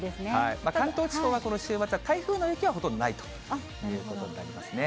関東地方はこの週末は、台風の影響は、ほとんどないということになりますね。